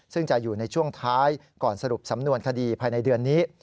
ซึ่งจะอยู่ในช่วงท้ายก่อนสรุปสำนวนคดีภายในเดือนนี้